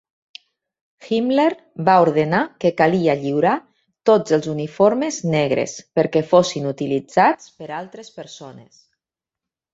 Himmler va ordenar que calia lliurar tots els uniformes negres perquè fossin utilitzats per altres persones.